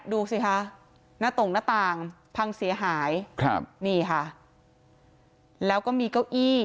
ดูสิคะหน้าตรงหน้าต่างพังเสียหายครับนี่ค่ะแล้วก็มีเก้าอี้